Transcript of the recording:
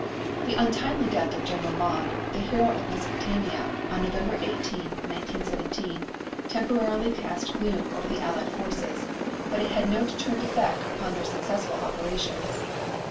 The untimely death of General Maude, the hero of Mesopotamia, on November 18, 1917, temporarily cast gloom over the Allied forces but it had no deterrent effect upon their successful operations.